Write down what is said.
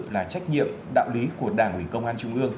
là trách nhiệm đạo lý của đảng ủy công an trung ương